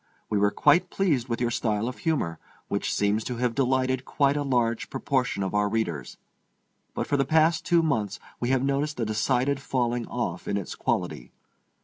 We were quite pleased with your style of humor, which seems to have delighted quite a large proportion of our readers. But for the past two months we have noticed a decided falling off in its quality.